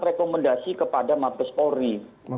rekomendasi kepada matbis polri